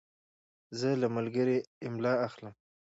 زه له ملګري املا اخلم.